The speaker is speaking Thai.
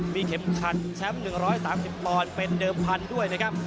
มีเข็มขัดแชมป์๑๓๐ปอนด์เป็นเดิมพันธุ์ด้วยนะครับ